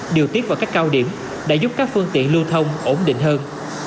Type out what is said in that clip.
điều tiết vào các cao điểm đã giúp các phương tiện lưu thông ổn định hơn